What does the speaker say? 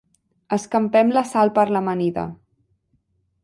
Escampem la sal per l'amanida.